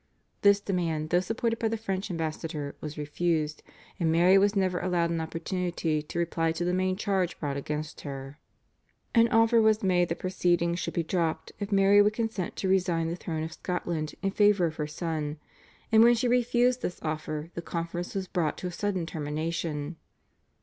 This demand, though supported by the French ambassador, was refused, and Mary was never allowed an opportunity to reply to the main charge brought against her. An offer was made that proceedings should be dropped if Mary would consent to resign the throne of Scotland in favour of her son, and when she refused this offer the conference was brought to a sudden termination.